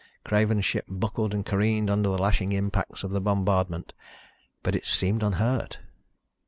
Craven's ship buckled and careened under the lashing impacts of the bombardment, but it seemed unhurt!